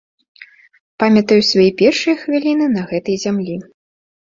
Памятаю свае першыя хвіліны на гэтай зямлі.